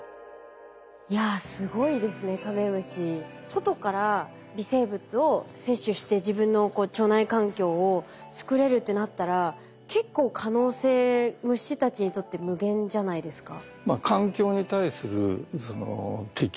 外から微生物を摂取して自分の腸内環境を作れるってなったら結構可能性虫たちにとって無限じゃないですか？